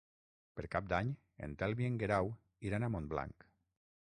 Per Cap d'Any en Telm i en Guerau iran a Montblanc.